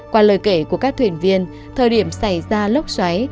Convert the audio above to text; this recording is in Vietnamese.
qua lời kể của các thuyền viên thời điểm xảy ra lốc xoáy